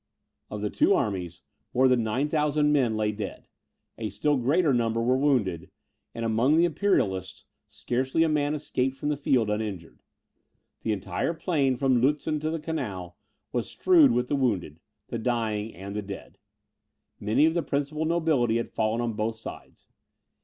Of the two armies, more than 9,000 men lay dead; a still greater number were wounded, and among the Imperialists, scarcely a man escaped from the field uninjured. The entire plain from Lutzen to the Canal was strewed with the wounded, the dying, and the dead. Many of the principal nobility had fallen on both sides.